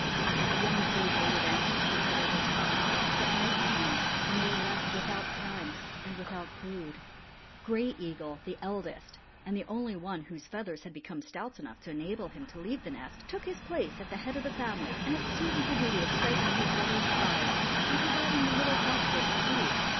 The young brood waited anxiously for their return; but night came, and they were left without parents and without food. Gray Eagle, the eldest, and the only one whose feathers had become stout enough to enable him to leave the nest, took his place at the head of the family and assumed the duty of stifling his brothers' cries and providing the little household with food.